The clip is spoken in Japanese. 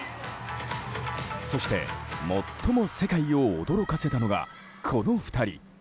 そして、最も世界を驚かせたのがこの２人。